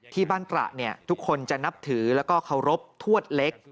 ที่บ้านตระทุกคนจะนับถือและเคารพทวดเล็ก